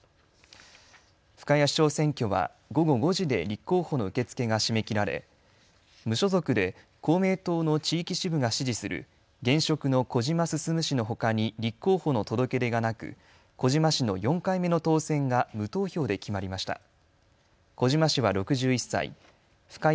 深谷市長選挙は午後５時で立候補の受け付けが締め切られ無所属で公明党の地域支部が支持する現職の小島進氏のほかに立候補の届け出がなく小島氏の４回目の当選が無投票で決まりました。